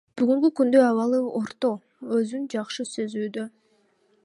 Бүгүнкү күндө абалы орто, өзүн жакшы сезүүдө.